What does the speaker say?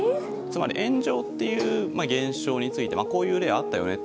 つまり「炎上」っていう現象について「こういう例あったよね」